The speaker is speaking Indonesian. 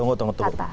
tunggu tunggu tunggu